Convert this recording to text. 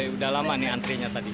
udah lama nih antrinya tadi